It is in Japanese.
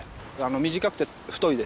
短くて太いです。